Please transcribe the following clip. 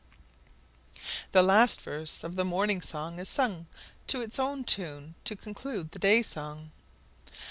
The last verse of the Morning Song is sung to its own tune to conclude the Day Song.